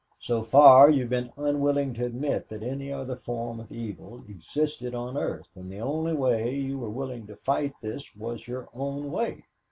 So far you have been unwilling to admit that any other form of evil existed on earth and the only way you were willing to fight this was your own way.